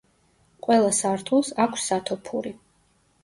ყველა სართულს აქვს სათოფური.